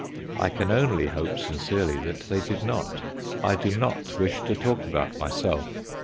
I can only hope sincerely that they did not. I do not wish to talk about myself.